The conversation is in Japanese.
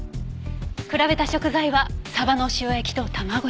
比べた食材は鯖の塩焼きと卵焼き。